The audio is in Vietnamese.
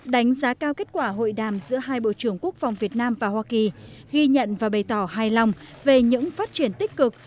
đánh giá cao kết quả hội đàm giữa hai bộ trưởng quốc phòng việt nam và hoa kỳ ghi nhận và bày tỏ hài lòng về những phát triển tích cực